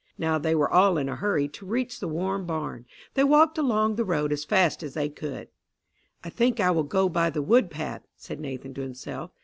Now they were all in a hurry to reach the warm barn. They walked along the road as fast as they could. "I think I will go by the wood path," said Nathan to himself.